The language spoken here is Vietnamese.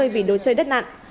một tám mươi vị đồ chơi đất nặng